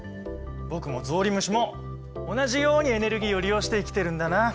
僕もゾウリムシも同じようにエネルギーを利用して生きてるんだなあ。